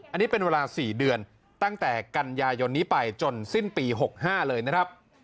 อันนี้เป็นเวลา๔เดือนตั้งแต่กันยายนนี้ไปจนสิ้นปี๖๕เลยนะครับ